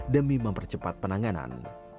demi mempercepat penanganan